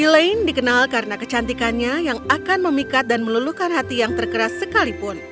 elaine dikenal karena kecantikannya yang akan memikat dan melulukan hati yang terkeras sekalipun